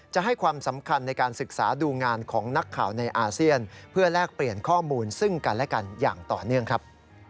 จะให้ความสำคัญในการศึกษาดูงานของนักข่าวในอาเซียนเพื่อแลกเปลี่ยนข้อมูลซึ่งกันและกันอย่างต่อเนื่องครับ